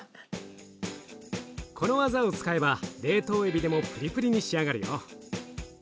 この技を使えば冷凍エビでもプリプリに仕上がるよ。